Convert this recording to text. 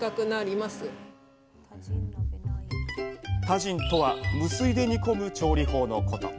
タジンとは無水で煮込む調理法のこと。